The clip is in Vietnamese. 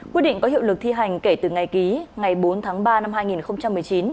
quyết định có hiệu lực thi hành kể từ ngày ký ngày bốn tháng ba năm hai nghìn một mươi chín